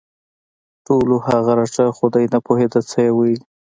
ټولو هغه رټه خو دی نه پوهېده څه یې ویلي